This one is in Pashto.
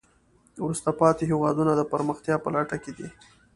وروسته پاتې هېوادونه د پرمختیا په لټه کې دي.